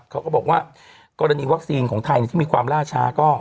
เขาก็บอกว่ากรณีวัคซีนของไทยที่มีความล่าช้าก็